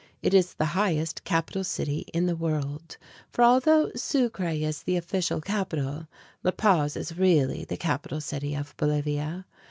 It is the highest capital city in the world for although Sucre is the official capital, La Paz is really the capital city of Bolivia.